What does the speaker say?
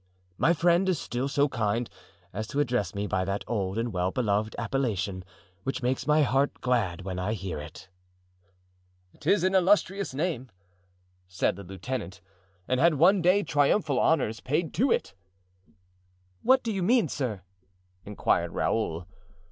My friend is still so kind as to address me by that old and well beloved appellation, which makes my heart glad when I hear it." "'Tis an illustrious name," said the lieutenant, "and had one day triumphal honors paid to it." "What do you mean, sir?" inquired Raoul.